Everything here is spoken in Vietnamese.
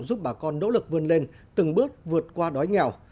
giúp bà con nỗ lực vươn lên từng bước vượt qua đói nghèo